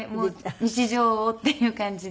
日常をっていう感じで。